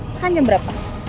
sekarang jam berapa